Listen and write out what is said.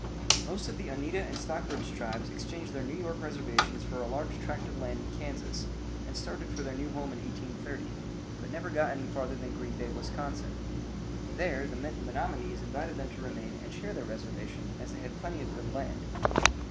Most of the Oneida and Stockbridge tribes exchanged their New York reservations for a large tract of land in Kansas, and started for their new home in 1830, but never got any farther than Green Bay, Wisconsin. There the Menominees invited them to remain and share their reservation, as they had plenty of good land.